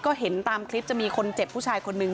ก็เห็นตามคลิปจะมีคนเจ็บผู้ชายคนนึง